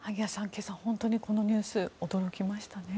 今朝、本当にこのニュース驚きましたね。